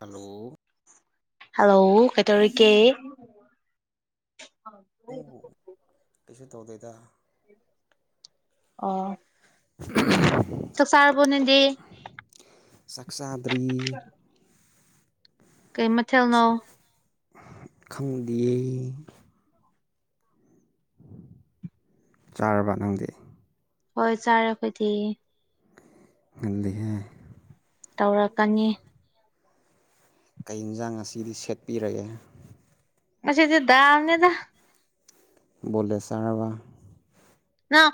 Hello hello ꯀꯩꯇꯧꯔꯤ ꯒꯦ ꯑꯣ ꯀꯩꯁꯨ ꯇꯧꯗꯦꯗ ꯑꯣ ꯎꯝ ꯆꯥꯛ ꯆꯥꯔꯕꯣ ꯅꯪꯗꯤ ꯆꯥꯛ ꯆꯥꯥꯗ꯭ꯔꯤ ꯀꯩ ꯃꯊꯦꯜꯅꯣ ꯈꯪꯗꯦ ꯆꯥꯔꯕ ꯅꯪꯗꯤ ꯍꯣꯏ ꯆꯥꯔꯦ ꯑꯩꯈꯣꯏꯗꯤ ꯉꯜꯂꯤꯍꯦ ꯇꯧꯔꯛꯀꯅꯤ ꯀꯩ ꯏꯟꯁꯥꯡ ꯉꯁꯤꯗꯤ ꯁꯦꯠꯄꯤꯔꯒꯦ ꯉꯁꯤꯗꯤ ꯗꯥꯜꯅꯦꯗ ꯕꯣꯂꯦꯁ ꯆꯥꯔꯕꯥ ꯅꯪ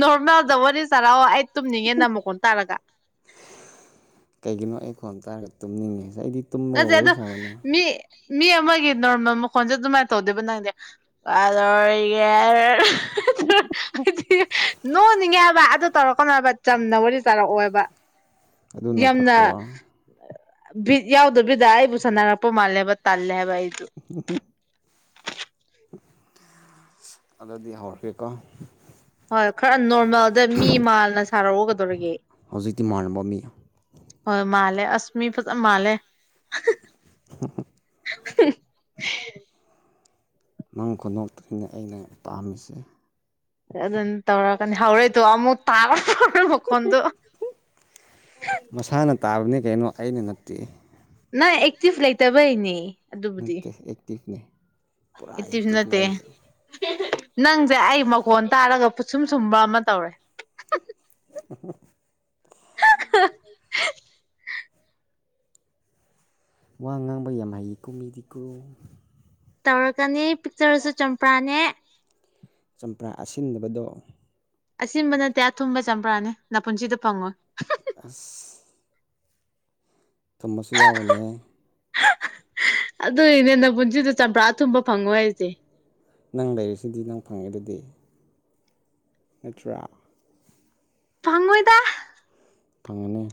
ꯅꯣꯔꯃꯦꯜꯗ ꯋꯥꯔꯤ ꯁꯥꯔꯛꯑꯣ ꯇꯨꯝꯅꯤꯡꯉꯦ ꯅꯪ ꯃꯈꯣꯟ ꯇꯥꯔꯒ ꯀꯩꯒꯤꯅꯣ ꯑꯩ ꯈꯣꯟ ꯇꯔꯒ ꯇꯨꯝꯅꯤꯡꯉꯦꯁꯦ ꯑꯩꯗꯤ ꯇꯨꯝꯃꯒ ꯅꯠꯇꯦ ꯋꯥꯔꯤ ꯑꯗꯣ ꯁꯥꯕꯅꯦ ꯃꯤ ꯃꯤ ꯑꯃꯒꯤ ꯅꯣꯔꯃꯦꯜ ꯃꯈꯣꯟꯁꯦ ꯑꯗꯨꯃꯥꯏꯅ ꯇꯧꯗꯦꯕ ꯅꯪꯗꯤ ꯑ ꯍꯥꯏꯗꯤ ꯅꯣꯛꯅꯤꯡꯉꯦ ꯍꯥꯏꯕ ꯑꯗꯨ ꯇꯧꯔꯛꯀꯅꯣ ꯍꯥꯏꯕ ꯆꯝꯅ ꯋꯥꯔꯤ ꯁꯥꯔꯛꯑꯣꯕ ꯑꯗꯨꯅ ꯌꯥꯝꯅ ꯐꯠꯇ꯭ꯔꯣ ꯕꯤꯠ ꯌꯥꯎꯗꯕꯤꯗ ꯑꯩ ꯕꯨ ꯁꯅꯥꯔꯡꯄ ꯃꯥꯜꯂꯦꯕ ꯇꯜꯂꯦ ꯍꯥꯏꯕ ꯑꯩꯗꯨ ꯑꯗꯨꯗꯤ ꯍꯧꯔꯛꯀꯦꯀꯣ ꯍꯣꯏ ꯈꯔ ꯅꯣꯔꯃꯦꯜꯗ ꯃꯤ ꯃꯥꯜꯅ ꯁꯥꯔꯛꯎ ꯀꯩꯗꯩꫪꯒ‌ꯦ ꯍꯧꯖꯤꯛꯇꯤ ꯃꯥꯟꯅꯕ ꯃꯤ ꯃꯥꯂꯦ ꯑꯁꯃꯤ ꯐ ꯃꯥꯂꯦ [unintelligible] [unintelligible] [inaudible] ꯅꯪ ꯈꯨꯨꯅ‌ꯣꯛꯇꯨꯅꯤꯅ‌ꯦ ꯑꯩꯅ ꯄꯥꯝꯃꯤꯁꯦ ꯑꯗꯨꯅ ꯇꯧꯔ ꯀꯅꯤ ꯍꯧꯔꯣꯏꯇꯣ ꯑꯃꯨꯛ ꯇꯥ ꯇꯧ꯭ꯔ ꯃꯀꯣꯟꯗ [unintelligible] [inaudible] ꯃꯁꯥꯅ ꯇꯥꯕꯅꯤ ꯀꯩꯅꯣ ꯑꯩꯅ ꯅꯠꯇꯦ ꯅꯪ ꯑꯦꯛꯇꯤꯚ ꯂꯩꯇꯕꯩꯅ‌ꯦ ꯑꯗꯨꯕꯨꯗꯤ ꯅꯠꯇꯦ ꯑꯦꯛꯇꯤꯞꯅꯦ ꯄꯨꯔꯥ ꯏꯠꯇꯤꯁꯨ ꯑꯦꯛꯇꯤꯞꯅꯦ ꯅꯠꯇꯦ ꯑꯩꯁꯦ ꯅꯪꯁꯦ ꯑꯩ ꯃꯈꯣꯟ ꯇꯥꯔꯒ ꯄꯨꯠꯁꯨꯝ ꯁꯨꯝꯕ ꯑꯃ ꯇꯧꯔꯦ [inaudible] [inaudible] ꯋꯥ ꯉꯥꯡꯕ ꯌꯥꯝ ꯍꯩꯀꯣ ꯃꯤꯗꯤꯀꯣ ꯇꯧꯔꯛꯀꯅꯤ ꯄꯤꯛꯆꯔꯁꯨ ꯆꯝꯄ꯭ꯔꯥꯅꯦ ꯆꯝꯄ꯭ꯔꯥ ꯑꯁꯤꯟꯗꯕꯗꯣ ꯑꯁꯤꯟꯕ ꯅꯠꯇꯦ ꯑꯊꯨꯝꯕ ꯆꯝꯄ꯭ꯔꯥꯅꯤ ꯅꯄꯨꯟꯁꯤꯗ ꯐꯪꯉꯣꯏ ꯑꯁ ꯊꯨꯝꯕꯁꯨ ꯌꯥꯎꯕꯅꯦ ꯑꯗꯨꯏꯅ‌ꯦ ꯅꯄꯨꯟꯁꯤꯗ ꯆꯝꯄ꯭ꯔꯥ ꯑꯊꯨꯝꯕ ꯐꯪꯉꯣꯏ ꯍꯥꯏꯁꯦ ꯅꯪ ꯂꯩꯔꯤꯁꯤꯗꯤ ꯅꯪ ꯐꯪꯉꯤ ꯗꯨꯗꯤ ꯅꯠꯇ꯭ꯔꯥ ꯐꯪꯉꯣꯏꯗ ꯐꯪꯒꯅꯤ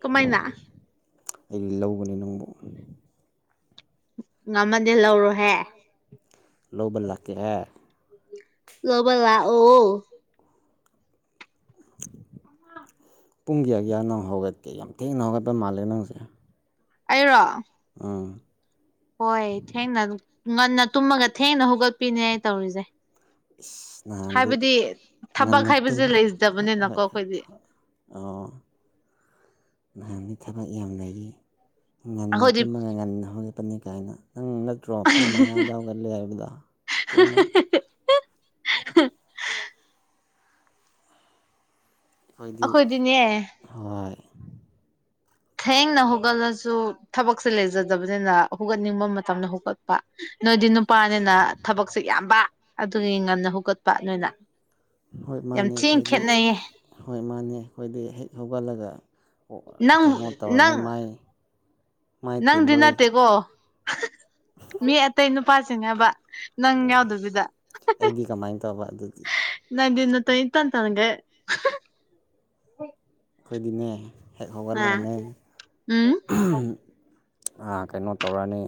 ꯀꯃꯥꯏꯅ ꯑꯩ ꯂꯧꯒꯅꯤ ꯅꯪꯕꯨ ꯉꯝꯃꯗꯤ ꯂꯧꯔꯣꯍꯦ ꯂꯧꯕ ꯂꯥꯛ ꯀꯦꯍ‌ꯦ ꯂꯧꯕ ꯂꯥꯛꯑꯣ ꯄꯨꯡ ꯀꯌꯥ ꯀꯌꯥ ꯅ‌ꯣ ꯍꯧꯒꯠꯀꯦ ꯌꯥꯝ ꯊꯦꯡꯅ ꯍꯧꯒꯠꯄ ꯃꯥꯜꯂꯦ ꯅꯪꯁꯦ ꯑꯩꯔꯣ ꯑꯥ ꯍꯣꯏ ꯊꯦꯡꯅ ꯉꯟꯅ ꯇꯨꯝꯃꯒ ꯊꯦꯡꯅ ꯍꯧꯒꯠꯄꯤꯅꯦ ꯑꯩꯅ ꯇꯧꯔꯤꯁꯦ ꯏꯁ ꯅꯍꯥꯟꯗꯤ ꯍꯥꯏꯕꯗꯤ ꯊꯕꯛ ꯉꯟꯅ ꯇꯨꯝ ꯍꯥꯏꯕꯁꯦ ꯍꯣꯏ ꯂꯩꯖꯗꯕꯅꯤꯅꯀꯣ ꯍꯣꯏ ꯑꯩꯈꯣꯏꯗꯤ ꯍꯣꯏꯣꯏ ꯑꯣ ꯅꯍꯥꯟꯗꯤ ꯊꯕꯛ ꯌꯥꯝ ꯂꯩ ꯉꯟꯅ ꯑꯩꯈꯣꯏꯗꯤ ꯇꯨꯝꯃꯒ ꯉꯟꯅ ꯍꯧꯒꯠꯄꯅꯤ ꯀꯥꯏꯅ ꯅꯪ ꯅꯠꯇ꯭ꯔꯣ ꯄꯨꯡ ꯃꯉꯥꯗ ꯍꯩꯒꯠꯂ‌ꯦ ꯍꯥꯏꯕꯗ‌ꯣ ꯄꯨꯡ ꯑꯩꯈ‌ꯦꯏꯗꯤ ꯑꯩꯈꯣꯏꯗꯤꯅꯦ ꯍꯣꯏ ꯊꯦꯡꯅ ꯍꯧꯒꯠꯂꯁꯨ ꯊꯕꯛꯁꯦ ꯂꯩꯖꯗꯕꯅꯤꯅ ꯍꯧꯒꯠꯅꯤꯡꯕ ꯃꯇꯝꯗ ꯍꯧꯒꯠ ꯅꯣꯏꯗꯤ ꯅꯨꯄꯥꯅꯤꯅ ꯊꯕꯛꯁꯦ ꯌꯥꯝꯕ ꯑꯗꯨꯒꯤ ꯉꯟꯅ ꯍꯧꯒꯠꯄ ꯅꯣꯏꯅ ꯍꯣꯏ ꯌꯥꯝ ꯃꯥꯅꯦ ꯊꯤꯅ ꯑꯩꯈꯣꯏꯗꯤ ꯈꯦꯠꯅꯩꯌꯦ ꯍꯣꯏ ꯃꯥꯅꯦ ꯑꯩꯈꯣꯏꯗꯤ ꯍꯦꯛ ꯍꯧꯒꯠꯂꯒ ꯅꯪ ꯀꯩꯅꯣ ꯇꯧꯔꯅꯤ ꯅꯪ ꯃꯥꯏ ꯃꯥꯏ ꯅꯪꯗꯤ ꯇꯤꯟꯂꯣꯏ ꯅꯠꯇꯦꯀꯣ ꯃꯤ ꯑꯇꯩ ꯅꯨꯄꯥꯁꯤꯡꯅꯦꯕ ꯅꯪ ꯌꯥꯎꯗꯕꯤꯗ ꯑꯩꯗꯤ ꯀꯃꯥꯏꯅ ꯇꯧꯕ ꯑꯗꯨꯗꯤ ꯅꯪ ꯗꯤ ꯅꯇꯟ ꯏꯠꯇꯟ ꯇꯟꯒꯩ ꯑꯩꯈꯣꯏꯗꯤꯅꯦ ꯍꯦꯛ ꯑ ꯍꯧꯒꯠꯂꯒꯅꯦ ꯎꯝ ꯀꯩꯅꯣ ꯇꯧꯔꯅꯤ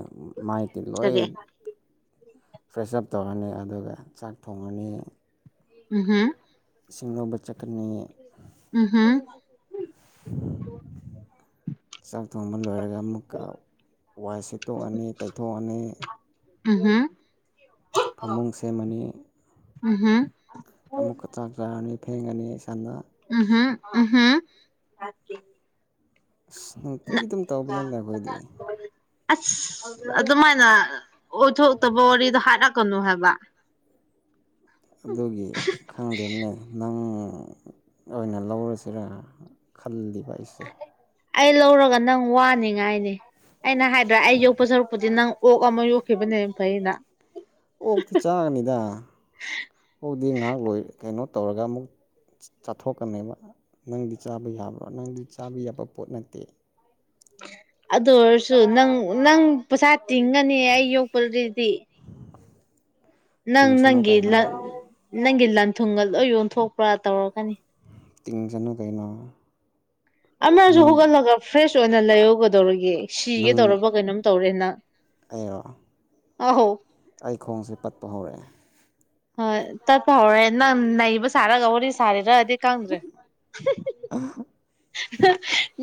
ꯃꯥꯏꯇꯤꯟ ꯂꯣꯏ ꯀꯔꯤ ꯐ꯭ꯔꯦꯁ ꯎꯞ ꯇꯧꯔꯅꯤ ꯑꯗꯨꯒ ꯆꯥꯛ ꯊꯣꯡꯉꯅꯤ ꯎꯝ ꯍꯝ ꯁꯤꯁꯤꯡꯅꯣꯕ ꯆꯆꯥꯀꯅꯤ ꯎꯝ ꯎꯝ ꯆꯥꯛ ꯊꯣꯡꯕ ꯂꯣꯏꯔꯒ ꯑꯃꯨꯛꯀ ꯋꯥꯏ ꯁꯤꯦꯠꯇꯣꯛꯑꯅꯤ ꯇꯩꯊꯣꯛꯑꯅꯤ ꯑ ꯍꯥ ꯐꯃꯨꯡ ꯁꯦꯝꯃꯅꯤ ꯎꯝꯍꯨꯝ ꯑꯃꯨꯛꯀ ꯆꯥꯛ ꯆꯥꯔꯅꯤ ꯐꯦꯡꯉꯅꯤ ꯏꯁꯥꯗ ꯎꯝꯝ ꯎꯝꯝ ꯑꯁ ꯅꯨꯡꯇꯤꯒꯤ ꯑꯗꯨꯝ ꯇꯧꯕꯅꯦꯗ ꯑꯩꯈꯣꯏꯗꯤ ꯑꯁ ꯑꯗꯨꯃꯥꯏꯅ ꯑꯣꯏꯊꯣꯛꯇꯕ ꯋꯥꯔꯤꯗꯣ ꯍꯥꯔꯛꯀꯅꯨ ꯍꯥꯏꯕ ꯑꯗꯨꯒꯤ ꯈꯪꯗꯦꯅꯦ ꯅꯪ ꯑꯣꯏꯅ ꯂꯧꯔꯁꯤꯔ ꯈꯜꯂꯤꯕ ꯑꯩꯁꯦ ꯑꯩ ꯂꯧꯔꯒ ꯅꯪ ꯋꯥꯅꯤꯡꯉꯥꯏꯅꯤ ꯑꯩꯅ ꯍꯥꯏꯕ꯭ꯔꯥ ꯑꯩ ꯌꯣꯛꯄ ꯁꯔꯛꯄꯨꯗꯤ ꯅꯪ ꯑꯣꯛ ꯑꯃ ꯌꯣꯛꯈꯤꯕꯅꯦ ꯌꯥꯝ ꯐꯩꯅ ꯑꯣꯛꯇꯤ ꯆꯥꯉꯅꯤꯗ ꯑꯣꯛꯛꯇꯤ ꯉꯥꯏꯍꯥꯛ ꯂꯣꯏ ꯀꯩꯅꯣ ꯇꯧꯔꯒ ꯑꯃꯨꯛ ꯆꯥꯊꯣꯛꯀꯅꯦꯕ ꯅꯪꯗꯤ ꯆꯥꯕ ꯌꯥꯕ꯭ꯔꯣ ꯅꯪꯗꯤ ꯆꯥꯕ ꯌꯥꯕ ꯄꯣꯠ ꯅꯠꯇꯦ ꯑꯗꯨ ꯑꯣꯏꯔꯁꯨ ꯅꯪ ꯅꯪ ꯄꯩꯁꯥ ꯇꯤꯡꯒꯅꯤ ꯑꯩ ꯌꯣꯛꯄꯗꯨꯗꯤ ꯅꯪ ꯇꯤꯡꯁꯅꯨ ꯅꯪꯒꯤ ꯀꯩꯅꯣ ꯅꯪꯒꯤ ꯂꯟ ꯊꯨꯡꯒ ꯂꯣꯏ ꯌꯟꯊꯣꯛꯄ꯭ꯔꯥ ꯇꯧꯔꯛꯀꯅꯤ ꯇꯤꯡꯁꯅꯨ ꯀꯩꯅꯣ ꯑꯃꯁꯨ ꯅꯪ ꯍꯧꯒꯠꯂꯒ ꯐ꯭ꯔꯦꯁ ꯑꯣꯏꯅ ꯂꯩꯍꯧꯒꯗꯧꯔꯒ ꯁꯤꯒꯦ ꯅꯪ ꯇꯧꯔꯕ ꯀꯩꯅꯣꯝ ꯇꯧꯔꯦꯅ ꯑꯩꯔꯣ ꯑꯍꯧ ꯑꯩ ꯈꯣꯡꯁꯦ ꯄꯠꯄ ꯍꯧꯔꯛꯑꯦ ꯍ ꯇꯠꯄ ꯍꯧꯔꯦ ꯅꯪ ꯅꯩꯕ ꯁꯥꯔꯒꯧꯍꯔꯤ ꯁꯥꯔꯦꯔ ꯗꯤ ꯀꯗ꯭ꯔꯦ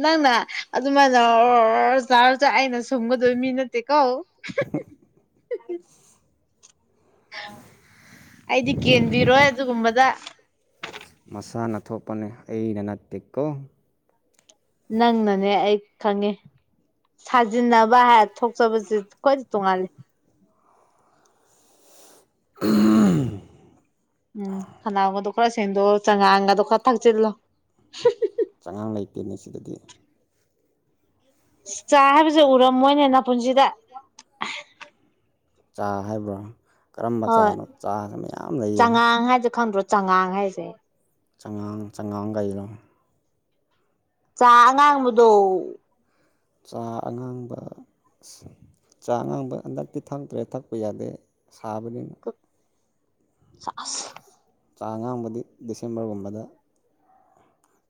ꯅꯪꯅ ꯑꯗꯨꯃꯥꯏꯅ ꯆꯖꯥꯔꯁꯨ ꯑꯩꯅ ꯁꯨꯝꯒꯗꯣꯏ ꯃꯤ ꯅꯠꯇꯦ ꯀꯣ ꯑꯩꯗꯤ ꯀꯦꯟꯕꯤꯔꯣꯏ ꯑꯗꯨꯒꯨꯝꯕꯗ ꯃꯁꯥꯅ ꯊꯣꯛꯄꯅꯦ ꯑꯩꯅ ꯅꯠꯇꯦꯀꯣ ꯅꯪꯅꯅꯦ ꯑꯩ ꯈꯪꯉꯦ ꯁꯥꯖꯤꯟꯅꯕ ꯍꯥꯏ ꯊꯣꯛꯆꯕꯁꯤ ꯀ ꯇꯧꯉꯦ ꯎꯥ ꯎꯝ ꯈꯅꯥꯎꯒꯗꯣ ꯈꯔ ꯁꯦꯟꯗꯣ ꯆꯉꯥꯡꯒꯗꯣ ꯈꯔ ꯊꯛꯆꯤꯜꯂꯣ ꯆꯉꯥꯡ ꯂꯩꯇꯦꯅꯤ ꯁꯤꯗꯗꯤ ꯆꯥ ꯍꯥꯏꯕꯁꯦ ꯎꯔꯝꯃꯣꯏꯅꯦꯟꯅ ꯄꯨꯟꯁꯤꯗ ꯆꯥ ꯍꯥꯏꯕ꯭ꯔꯥ ꯀꯔꯝꯕ ꯆꯥꯅꯣ ꯆꯥꯁꯤ ꯃꯌꯥꯝ ꯂꯩꯌꯦ ꯑꯪ ꯍꯥꯏꯁꯦ ꯈꯪꯗ꯭ꯔꯣ ꯆꯉꯥꯡ ꯍꯥꯏꯁꯦ ꯆꯉꯥꯡ ꯆꯉꯥꯡ [unintelligible] ꯆꯥ ꯑꯉꯥꯡꯕꯗꯣ ꯆꯥ ꯑꯉꯥꯡꯕ ꯑꯁ ꯆꯥ ꯑꯉꯥꯡꯕ ꯍꯟꯗꯛꯇꯤ ꯊꯛꯇ꯭ꯔꯦ ꯊꯛꯄ ꯌꯥꯗꯦ ꯁꯥꯕꯅꯤꯅ ꯑꯁ ꯆꯥ ꯑꯉꯥꯡꯕꯗꯤ ꯗꯤꯁꯦꯝꯕꯔ ꯒꯨꯝꯕꯗ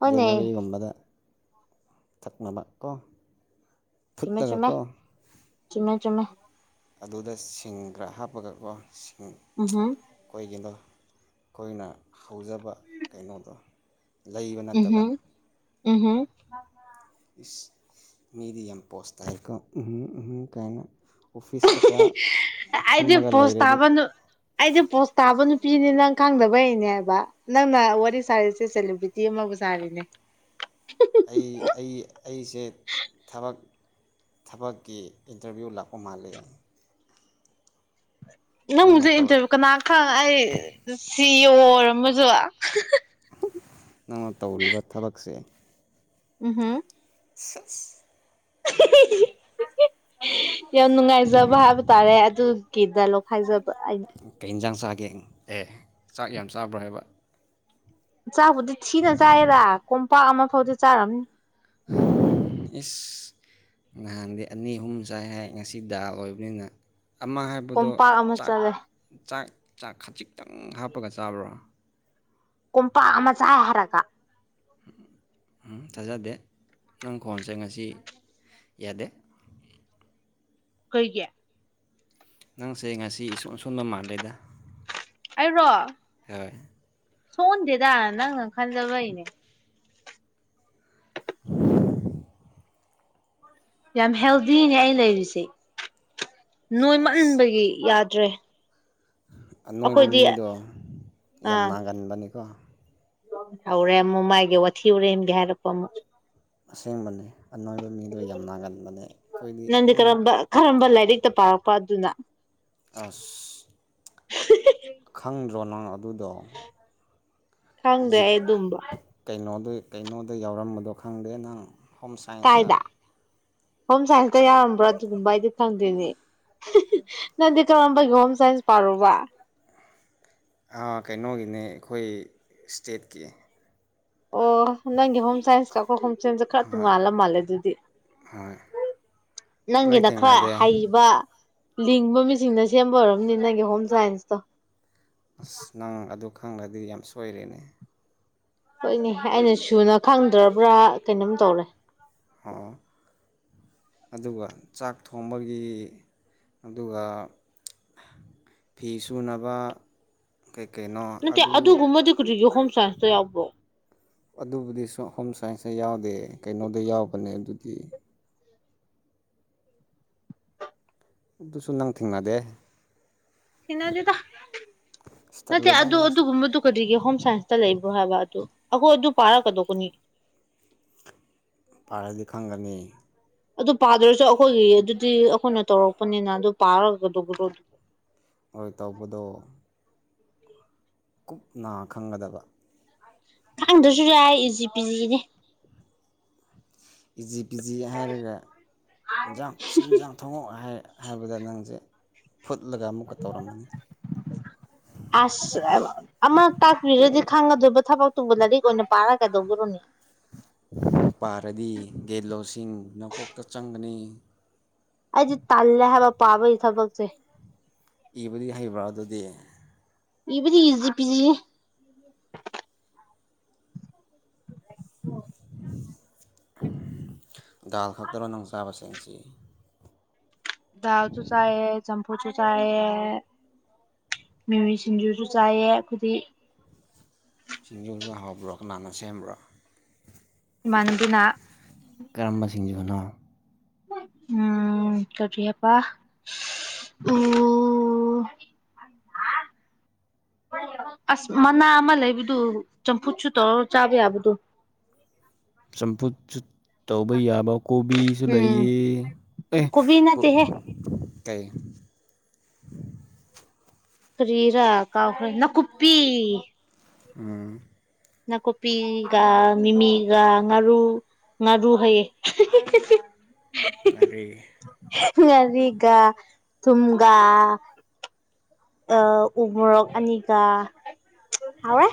ꯍꯣꯏꯅꯦ ꯒꯨꯝꯕꯗ ꯊꯛꯅꯕ ꯀꯣ ꯆꯨꯝꯃꯦ ꯆꯨꯝꯃꯦ ꯐꯨꯠꯂꯒꯀꯣ ꯆꯨꯝꯃꯦ ꯆꯨꯝꯃꯦ ꯑꯗꯨꯗ ꯁꯤꯡ ꯈꯔ ꯍꯥꯞꯄꯒꯀꯣ ꯁꯤꯡ ꯎꯝꯍꯝ ꯑꯩꯈꯣꯏꯒꯤꯗꯣ ꯑꯩꯈꯣꯏꯅ ꯍꯧꯖꯕ ꯀꯩꯅꯣꯗꯣ ꯂꯩꯕ ꯅꯠꯇꯕ ꯎꯝꯍꯝ ꯎꯝꯍꯝ ꯏꯁ ꯃꯤꯗꯤ ꯌꯥꯝ ꯄꯣꯁ ꯇꯥꯏꯀꯣ ꯎꯝꯍꯨꯝ ꯎꯝꯍꯨꯝ ꯀꯥꯏꯅ ꯑꯣꯐꯤꯁꯇꯀ ꯑꯩꯗꯤ ꯐꯝꯃꯒ ꯄꯣꯁ ꯂꯩꯔꯗꯤ ꯇꯥꯕ ꯅꯨ ꯑꯩꯗꯤ ꯄꯣꯁ ꯇꯥꯕ ꯅꯨꯄꯤꯅꯤ ꯅꯪ ꯈꯪꯗꯕꯩꯅꯦ ꯍꯥꯏꯕ ꯅꯪꯅ ꯋꯥꯔꯤ ꯁꯥꯔꯤꯁꯦ ꯁꯦꯂꯤꯕ꯭ꯔꯤꯇꯤ ꯑꯃꯕꯨ ꯁꯥꯔꯤꯅꯦ ꯑꯩ ꯑꯩ ꯑꯩꯁꯦ ꯊꯕꯛ ꯊꯕꯛꯀꯤ ꯏꯟꯇꯔꯚꯤꯌꯨ ꯂꯥꯛꯄ ꯃꯥꯜꯂꯤ ꯅꯪꯅ ꯅꯪꯕꯨꯁꯦ ꯇꯧꯔ ꯏꯟꯇꯔꯚꯤꯌꯨ ꯀꯅꯥ ꯈꯪ ꯑꯩ ꯁꯤ ꯏ ꯑꯣ ꯑꯣꯏꯔꯝꯕꯁꯨ ꯅꯪꯅ ꯇꯧꯔꯤꯕ ꯊꯕꯛꯁꯦ ꯎꯝꯍꯝ ꯁꯦꯁ ꯍꯤꯍꯤꯍꯤ ꯌꯥꯝ ꯅꯨꯡꯉꯥꯏꯖꯕ ꯍꯥꯏꯕ ꯇꯥꯔꯦ ꯑꯗꯨꯒꯤ ꯗꯥꯏꯂꯣꯛ ꯍꯥꯏꯖꯕ ꯑꯩꯅ ꯀꯩ ꯏꯟꯖꯥꯡ ꯆꯥꯒꯦ ꯑꯦ ꯆꯥꯛ ꯌꯥꯝ ꯆꯥꯕ꯭ꯔꯥ ꯍꯥꯏꯕ ꯆꯥꯛꯕꯨꯗꯤ ꯊꯤꯅ ꯆꯥꯏꯌꯦꯗ ꯀꯣꯝꯄꯥꯛ ꯑꯃ ꯐꯥꯎꯗꯤ ꯆꯥꯔꯝꯅꯤ ꯏꯁ ꯅꯍꯥꯟꯗꯤ ꯑꯅꯤ ꯑꯍꯨꯝ ꯆꯥꯏ ꯍꯥꯏ ꯉꯁꯤ ꯗꯥ ꯑꯣꯏꯕꯅꯤꯅ ꯑꯃ ꯍꯥꯏꯕꯗꯣ ꯀꯣꯝꯄꯥꯛ ꯑꯃ ꯆꯥꯛ ꯆꯠꯂꯦ ꯆꯥꯛ ꯆꯥꯛ ꯈꯖꯤꯛꯇꯪ ꯍꯥꯞꯄꯒ ꯆꯥꯕ꯭ꯔꯣ ꯀꯣꯝꯄꯥꯛ ꯑꯃ ꯆꯥꯏ ꯍꯥꯏꯔꯒ ꯎꯝ ꯊꯥꯖꯗꯦ ꯅꯪ ꯈꯣꯟꯁꯦ ꯉꯁꯤ ꯌꯥꯗꯦ ꯀꯩꯒꯤ ꯅꯪꯁꯦ ꯉꯁꯤ ꯏꯁꯣꯟ ꯑꯁꯣꯟꯕ ꯃꯥꯜꯂꯦꯗ ꯑꯩꯔꯣ ꯍꯣꯏ ꯁꯣꯟꯗꯦꯗ ꯅꯪꯅꯪ ꯈꯟꯖꯕꯩꯅꯦ [inaudible] ꯌꯥꯝ ꯍꯦꯜꯗꯤꯅꯦ ꯑꯩ ꯂꯩꯔꯤꯁꯦ ꯑꯁ ꯅꯣꯏꯃꯟꯕꯒꯤ ꯌꯥꯗ꯭ꯔꯦ ꯑꯅꯣꯏꯕ ꯑꯩꯈꯣꯏꯗꯤ ꯃꯤꯗꯣ ꯌꯥꯝ ꯑꯥ ꯅꯥꯒꯟꯕꯅꯤꯀꯣ ꯍꯧꯔꯦ ꯑꯃ ꯃꯥꯏꯒꯤ ꯋꯥꯊꯤ ꯋꯥꯔꯦꯝꯒꯤ ꯍꯥꯏꯔꯛꯄ ꯑꯃ ꯑꯁꯦꯡꯕꯅꯦ ꯑꯅꯣꯏꯕ ꯃꯤꯗꯣ ꯌꯥꯝ ꯅꯥꯒꯟꯕꯅꯦ ꯑꯩꯈꯣꯏꯗꯤ ꯅꯪꯗꯤ ꯎꯝ ꯀꯔꯝꯕ ꯀꯔꯝꯕ ꯂꯥꯏꯔꯤꯛꯇ ꯄꯥꯔꯛꯄ ꯑꯗꯨꯅ ꯑꯁ ꯈꯪꯗ꯭ꯔꯣ ꯅꯪ ꯑꯗꯨꯗꯣ ꯈꯪꯗꯦ ꯑꯩ ꯑꯗꯨꯝꯕ ꯀꯩꯅꯣꯗ ꯀꯩꯅꯣꯗ ꯌꯥꯎꯔꯝꯕꯗꯣ ꯈꯪꯗꯦ ꯅꯪ ꯍꯣꯝ ꯁꯥꯏꯟꯁꯇ ꯀꯥꯏꯗ ꯍꯣꯝ ꯁꯥꯏꯟꯁꯇ ꯌꯥꯎꯔꯝꯕ꯭ꯔꯥ ꯑꯗꯨꯒꯨꯝꯕ ꯑꯩꯗꯤ ꯈꯪꯗ ꯗꯦꯅꯦ ꯅꯪꯗꯤ ꯀꯔꯝꯕꯒꯤ ꯍꯣꯝ ꯁꯥꯏꯟꯁ ꯄꯥꯔꯨꯕ ꯑ ꯀꯩꯅꯣꯒꯤꯅꯦ ꯑꯩꯈꯣꯏ ꯏꯁꯇꯦꯠꯀꯤ ꯑꯣ ꯅꯪꯒꯤ ꯍꯣꯝ ꯁꯥꯏꯟꯁꯀ ꯑꯈꯣꯏ ꯍꯣꯝ ꯁꯥꯏꯟꯁꯀ ꯈꯔ ꯍꯣꯏ ꯇꯣꯡꯉꯥꯜꯂ ꯃꯥꯜꯂꯦ ꯑꯗꯨꯗꯤ ꯍꯣꯏ ꯅꯣꯏ ꯅꯪꯒꯤꯅ ꯈꯔ ꯊꯦꯡꯅꯗꯦ ꯍꯩꯕ ꯂꯤꯡꯕ ꯃꯤꯁꯤꯡꯅ ꯁꯦꯝꯕ ꯑꯣꯏꯔꯔꯕꯅꯤ ꯅꯪꯒꯤ ꯍꯣꯝ ꯁꯥꯏꯟꯁꯇꯣ ꯑꯁ ꯅꯪ ꯑꯗꯨ ꯈꯪꯂꯗꯤ ꯌꯥꯝ ꯁꯣꯏꯔꯦꯅꯦ ꯍꯣꯏꯅꯦ ꯑꯩꯅ ꯁꯨꯅ ꯈꯪꯗ꯭ꯔꯕ꯭ꯔꯥ ꯀꯩꯅꯣꯝ ꯇꯧꯔꯦ ꯍꯥꯥ ꯑꯗꯨꯒ ꯆꯥꯛ ꯊꯣꯡꯕꯒꯤ ꯑꯗꯨꯒ ꯐꯤ ꯁꯨꯅꯕ ꯀꯩ ꯀꯩꯅꯣ ꯅꯠꯇꯦ ꯑꯗꯨ ꯑꯗꯨꯒꯨꯝꯕꯗꯤ ꯀꯖꯤꯛꯒꯤ ꯍꯣꯝ ꯁꯥꯏꯟꯁꯇ ꯌꯥꯎꯕ꯭ꯔꯣ ꯑꯗꯨꯕꯨꯗꯤ ꯁ ꯍꯣꯝ ꯁꯥꯏꯟꯁꯇ ꯌꯥꯎꯗꯦ ꯀꯩꯅꯣꯗ ꯌꯥꯎꯕꯅꯦ ꯑꯗꯨꯗꯤ ꯑꯗꯨ ꯑꯗꯨꯁꯨ ꯅꯪ ꯊꯦꯡꯅꯗꯦ ꯁꯤꯅꯗꯤꯗ ꯑꯁ ꯅꯠꯇꯦ ꯇꯜꯂꯦꯗ ꯑꯗꯨ ꯅꯪꯁꯨ ꯑꯗꯨꯒꯨꯝꯕꯗꯨ ꯀꯔꯤꯒꯦ ꯍꯣꯝ ꯁꯥꯏꯟꯁꯇ ꯂꯩꯕ꯭ꯔꯣ ꯍꯥꯏꯕ ꯑꯗꯨ ꯑꯩꯈꯣꯏ ꯑꯗꯨ ꯄꯥꯔꯛꯀꯗꯧꯕꯅꯤ ꯄꯥꯔꯗꯤ ꯈꯪꯒꯅꯤ ꯑꯗꯨ ꯄꯥꯗ꯭ꯔꯁꯨ ꯑꯩꯈꯣꯏꯒꯤ ꯑꯗꯨꯗꯤ ꯑꯩꯈꯣꯏꯅ ꯇꯧꯔꯛꯄꯅꯤꯅ ꯑꯗꯨ ꯄꯥꯔꯒꯗꯧꯕꯗꯣ ꯑꯣꯏꯣꯏ ꯇꯧꯕꯗꯣ ꯀꯨꯞ ꯅꯥ ꯈꯪꯒꯗꯕ ꯈꯪꯗ꯭ꯔꯁꯨ ꯌꯥꯏ ꯏꯖꯤ ꯄꯤꯖꯤꯅꯦ ꯄꯤꯖꯤ ꯄꯤꯖꯤ ꯍꯥꯏꯔꯒ ꯑꯦꯟꯖꯥꯡ ꯆ ꯏꯟꯖꯥꯡ ꯊꯣꯡꯉꯛꯑꯣ ꯍꯥꯏ ꯍꯥꯏꯕꯗ ꯅꯪꯁꯦ ꯐꯨꯠꯂꯒ ꯑꯃꯨꯛꯀ ꯇꯧꯔꯝꯕꯅꯤ ꯑꯁꯃ ꯑꯃ ꯇꯥꯛꯄꯤꯔꯗꯤ ꯈꯪꯒꯗꯣꯏꯕ ꯊꯕꯛꯇꯨꯕ ꯂꯥꯏꯔꯤꯛ ꯑꯣꯏꯅ ꯄꯥꯔꯒ ꯀꯩꯗꯧꯕꯔꯨꯅꯦ ꯄꯥꯔꯗꯤ ꯒꯦꯠꯂꯣꯁꯤꯡ ꯅꯀꯣꯛꯇ ꯆꯪꯒꯅꯤ ꯑꯩꯗꯤ ꯇꯜꯂꯦ ꯍꯥꯏꯕ ꯄꯥꯕꯒꯤ ꯊꯕꯛꯁꯦ ꯏꯕꯗꯤ ꯍꯩꯕ꯭ꯔꯥ ꯑꯗꯨꯗꯤ ꯏꯕꯗꯤ ꯏꯖꯤ ꯄꯤꯖꯤꯦ ꯒꯥꯜ ꯈꯛꯇꯅ ꯅꯣꯡ ꯆꯥꯕꯁꯤꯡꯁꯤ ꯗꯥꯎ ꯆ ꯆꯦ ꯆꯝꯐꯨꯁꯨ ꯆꯥꯏꯑ ꯃꯤꯃꯤ ꯁꯤꯡꯖꯨꯁꯨ ꯆꯥꯏꯑ ꯑꯩꯈꯗꯤ ꯁꯤꯡꯖꯨꯗꯨ ꯍꯕ꯭ꯔꯣ ꯀꯅꯥꯅꯣ ꯁꯦꯝꯕ꯭ꯔꯣ ꯃꯟꯗꯨꯅ ꯀꯔꯝꯕꯁꯤꯡꯁꯤꯅꯣ ꯎꯝ ꯀꯔꯤꯄꯥ ꯑꯣ ꯑꯁ ꯃꯅꯥ ꯑꯃ ꯂꯩꯕꯗꯨ ꯆꯝꯐꯨꯠꯁꯨ ꯇꯧꯔ ꯆꯥꯕ ꯌꯥꯕꯗꯨ ꯆꯝꯐꯨꯠ ꯇꯧꯕ ꯌꯥꯕ ꯀꯣꯕꯤ ꯀꯁꯨ ꯎꯝ ꯂꯩꯌꯦ ꯑꯦ ꯀꯣꯕꯤ ꯀ ꯅꯠꯇꯦꯍꯦ ꯀꯩ ꯀꯔꯤꯔ ꯀꯥꯎꯈ ꯅ ꯀꯄꯤ ꯎꯝ ꯅꯥꯀꯨꯞꯄꯤꯒ ꯃꯤꯃꯤꯒ ꯉꯥꯔꯨ ꯉꯥꯔꯨ ꯍꯩꯌꯦ ꯑ ꯒ ꯊꯨꯒ ꯑ ꯎꯕꯣꯔꯣꯛ ꯑꯅꯤꯒꯥ ꯍꯥꯎꯔꯦ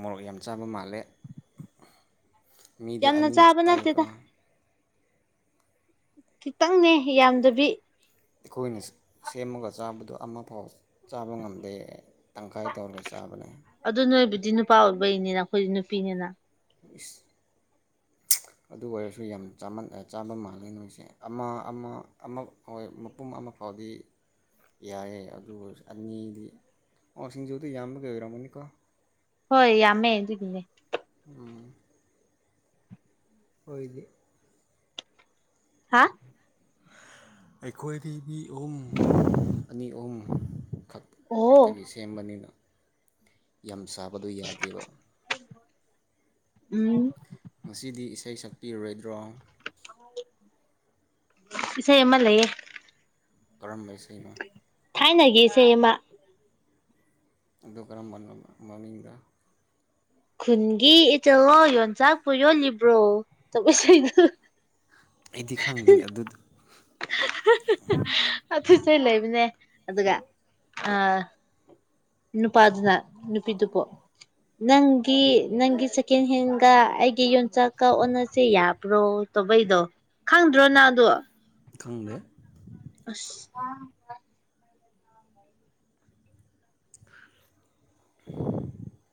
ꯃꯣꯔꯣꯛ ꯌꯥꯝ ꯆꯥꯕ ꯃꯥꯜꯂꯦ ꯌꯥꯝꯅ ꯃꯤꯌꯥꯅꯤ ꯆꯥꯕ ꯆꯥꯏꯀꯣ ꯅꯠꯇꯦꯗ ꯈꯤꯇꯪꯅꯦ ꯌꯥꯝꯗꯕꯤ ꯑꯩꯈꯣꯏꯅ ꯁꯦꯝꯃꯒ ꯆꯥꯕꯗꯨ ꯑꯃꯐꯥꯎ ꯆꯥꯕ ꯉꯝꯗꯦ ꯇꯪꯈꯥꯏ ꯇꯧꯔꯒ ꯆꯥꯕꯅꯦ ꯑꯗꯨ ꯅꯣꯏꯕꯨꯗꯤ ꯅꯨꯄꯥ ꯑꯣꯏꯕꯩꯅꯤꯅ ꯑꯩꯈꯣꯏꯗꯤ ꯅꯨꯄꯤꯅꯤꯅ ꯏꯁ [inaudible] ꯑꯗꯨ ꯑꯣꯏꯔꯁꯨ ꯌꯥꯝ ꯆꯥꯕ ꯃꯥꯜꯂꯦ ꯅꯣꯏꯁꯦ ꯑꯃ ꯑꯃ ꯑꯃ ꯍꯣꯏ ꯃꯄꯨꯝ ꯑꯃ ꯐꯥꯎꯗꯤ ꯌꯥꯏꯦ ꯑꯗꯨ ꯑꯅꯤꯗꯤ ꯄꯁꯤꯡꯖꯗ ꯌꯥꯝꯕꯒꯤꯩ ꯑꯣꯏꯔꯝꯃꯅꯤꯀꯣ ꯍꯣꯏ ꯌꯥꯝꯃꯦ ꯑꯗꯨꯒꯤꯅꯦ ꯎꯝ ꯑꯣꯏꯣꯏꯗꯤ ꯍꯥ ꯑꯩꯈꯣꯏꯗꯤ ꯃꯤ ꯑꯍꯨꯝ ꯑꯅꯤ ꯑꯍꯨꯝ ꯈꯛ ꯑꯣ ꯇꯒꯤ ꯁꯦꯝꯕꯅꯤꯅ ꯌꯥꯝ ꯁꯥꯕꯗꯣ ꯌꯥꯗꯦꯕ ꯎꯝ ꯉꯁꯤꯗꯤ ꯏꯁꯩ ꯁꯛꯄꯤꯔꯔꯣꯏꯗ꯭ꯔꯣ ꯏꯁꯩ ꯑꯃ ꯂꯩꯌꯦ ꯀꯔꯝꯕ ꯏꯁꯩꯅꯣ ꯊꯥꯏꯅꯒꯤꯁꯦ ꯃꯥ ꯑꯗꯨ ꯀꯔꯝꯕ ꯃꯃꯤꯡꯗ꯫ ꯈꯨꯟꯒꯤ ꯏꯆꯜꯣ ꯌꯣꯟꯆꯥꯛꯄꯨ ꯌꯣꯜꯂꯤꯕ꯭ꯔꯣ ꯇꯧꯕ ꯏꯁꯩꯗꯣ꯫ ꯑꯩꯗꯤ ꯈꯪꯗꯦꯅꯦ ꯑꯗꯨꯗꯨ ꯑꯗꯨꯆ ꯂꯩꯕꯅꯦ ꯑꯗꯨꯒ ꯑ ꯅꯨꯄꯥ ꯑꯗꯨꯅ ꯅꯨꯄꯤꯗꯨ ꯄꯣ ꯅꯪꯒꯤ ꯅꯪꯒꯤ ꯁꯦꯀꯦꯟ ꯍꯦꯟꯒ ꯑꯩꯒꯤ ꯌꯣꯟꯆꯥꯛꯀ ꯑꯣꯟꯅꯁꯦ ꯌꯥꯕ꯭ꯔꯣ꯫ ꯇꯧꯕꯩꯗꯣ ꯈꯪꯗ꯭ꯔꯣ ꯅꯪ ꯑꯗꯣ꯫ ꯈꯪꯗꯦ꯫ ꯑꯁ [inaudible]